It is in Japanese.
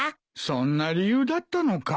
そんな理由だったのか。